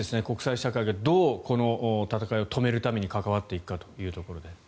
国際社会がどうこの戦いを止めるために止めるために関わっていくかというところで。